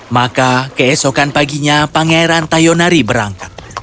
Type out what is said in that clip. maka keesokan paginya pangeran tayonari berangkat